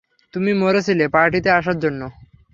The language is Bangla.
তুমি মরছিলে পার্টিতে আসার জন্য।